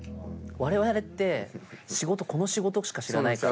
われわれって仕事この仕事しか知らないから。